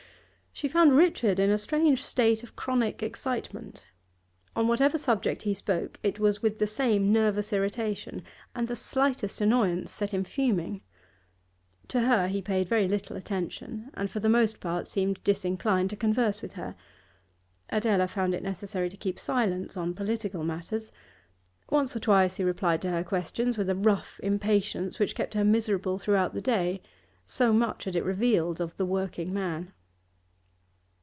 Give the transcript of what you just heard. She found Richard in a strange state of chronic excitement. On whatever subject he spoke it was with the same nervous irritation, and the slightest annoyance set him fuming. To her he paid very little attention, and for the most part seemed disinclined to converse with her; Adela found it necessary to keep silence on political matters; once or twice he replied to her questions with a rough impatience which kept her miserable throughout the day, so much had it revealed of the working man.